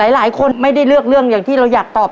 หลายคนไม่ได้เลือกเรื่องอย่างที่เราอยากตอบ